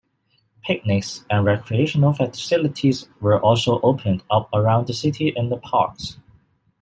Picnic and recreational facilities were also opened up around the city in the parks.